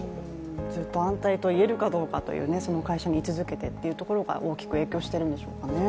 ずっと安泰と言えるかどうか、その会社にい続けてというところが大きく影響しているんでしょうかね。